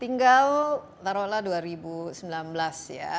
tinggal taruhlah dua ribu sembilan belas ya